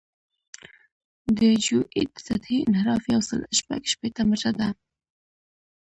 د جیوئید د سطحې انحراف یو سل شپږ شپېته متره دی